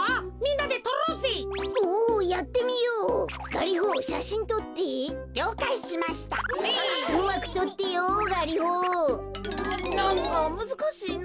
なんかむずかしいな。